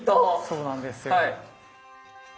そうなんですよ。